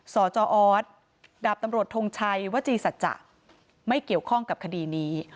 สจออสดาบตำรวจทงชัยวจีสัจจะไม่เกี่ยวข้องกับคดีนี้